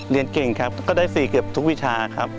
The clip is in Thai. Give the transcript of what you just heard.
เรียนเก่งครับก็ได้๔เกือบทุกวิชาครับ